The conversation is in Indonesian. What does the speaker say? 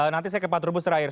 nanti saya ke pak trubus terakhir